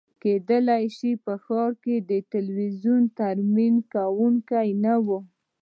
کیدای شي په ښار کې د تلویزیون ترمیم کونکی نه وي